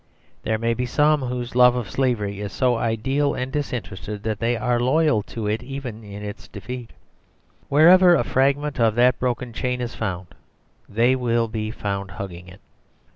There may be some whose love of slavery is so ideal and disinterested that they are loyal to it even in its defeat. Wherever a fragment of that broken chain is found, they will be found hugging it.